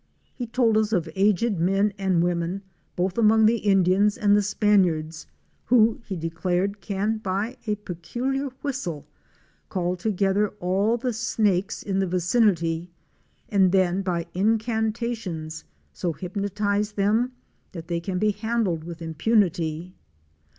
He told us of aged men and women, both among the Indians and the Spaniards, who he declared can by a peculiar whistle call together all the snakes in the vicinity and then by incan tations so hypnotize them that they can he handled with impunity.